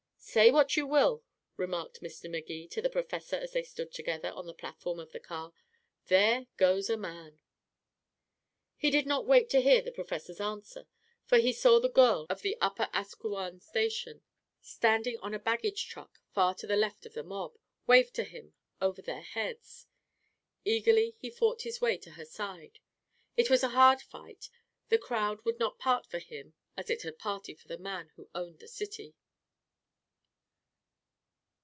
"Say what you will," remarked Mr. Magee to the professor as they stood together on the platform of the car, "there goes a man." He did not wait to hear the professor's answer. For he saw the girl of the Upper Asquewan station, standing on a baggage truck far to the left of the mob, wave to him over their heads. Eagerly he fought his way to her side. It was a hard fight, the crowd would not part for him as it had parted for the man who owned the city.